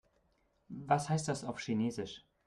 Was heißt das auf Chinesisch?